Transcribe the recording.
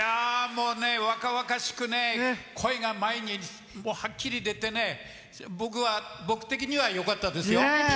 若々しくね声が前に、はっきり出て僕的には、よかったですよ。